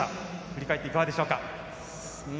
振り返っていかがでしょうか。